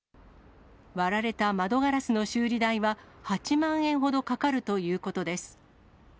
割られた窓ガラスの修理代は８万円ほどかかるということです。